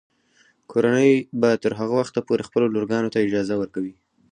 کورنۍ به تر هغه وخته پورې خپلو لورګانو ته اجازه ورکوي.